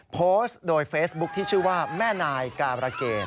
โพสต์โดยเฟซบุ๊คที่ชื่อว่าแม่นายการะเกด